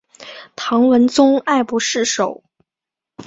唐文宗爱不释手。